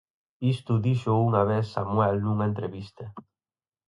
Isto díxoo unha vez Samuel nunha entrevista.